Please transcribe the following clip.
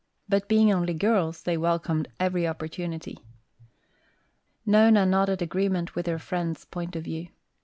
But being only girls they welcomed every opportunity. Nona nodded agreement with her friend's point of view.